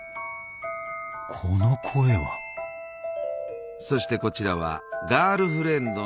この声はそしてこちらはガールフレンドのミミ。